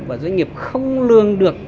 và doanh nghiệp không lương được